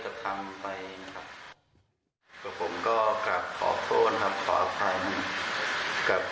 ดื่มคุณเมาครับผมก็ทำไมดีจริงแปดครับ